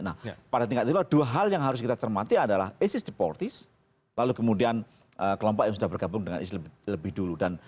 nah pada tingkat itu dua hal yang harus kita cermati adalah isis deportis lalu kemudian kelompok yang sudah bergabung dengan islam lebih dulu